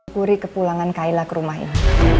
kuri ke pulangan kaila ke rumah ini